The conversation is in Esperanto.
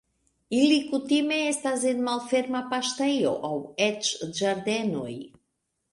Ili kutime estas en malferma paŝtejo aŭ eĉ ĝardenoj.